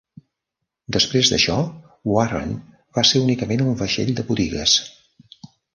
Després d'això, "Warren" va ser únicament un vaixell de botigues.